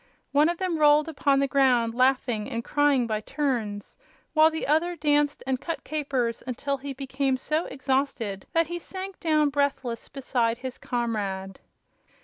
One of them rolled upon the ground, laughing and crying by turns, while the other danced and cut capers until he became so exhausted that he sank down breathless beside his comrade.